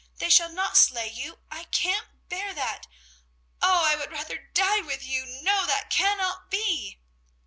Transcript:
They shall not slay you, I can't bear that. Oh, I would rather die with you; no, that cannot be!"